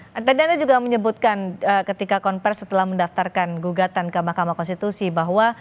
nah tadi anda juga menyebutkan ketika konversi setelah mendaftarkan gugatan ke mahkamah konstitusi bahwa